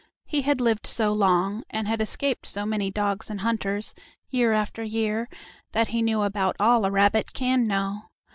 He had lived so long, and had escaped so many dogs and hunters, year after year, that he knew about all a rabbit can know.